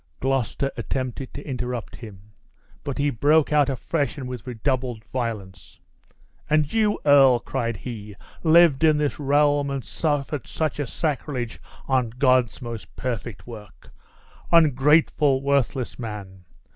Gloucester attempted to interrupt him; but he broke out afresh and with redoubled violence: "And you, earl," cried he, "lived in this realm, and suffered such a sacrilege on God's most perfect work! Ungrateful, worthless man!